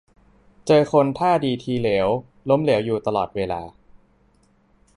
เจอคนท่าดีทีเหลว ล้มเหลวอยู่ตลอดเวลา